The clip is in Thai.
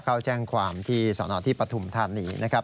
เข้าแจ้งความที่สนที่ปฐุมธานีนะครับ